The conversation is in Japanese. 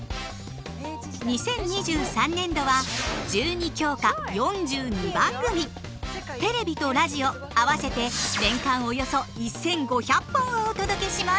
２０２３年度は１２教科４２番組テレビとラジオ合わせて年間およそ１，５００本をお届けします。